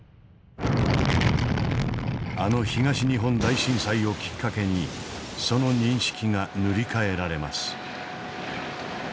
あの東日本大震災をきっかけにその認識が塗り替えられます。